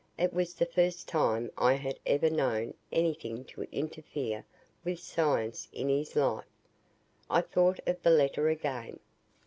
It was the first time I had ever known anything to interfere with science in his life. I thought of the letter again.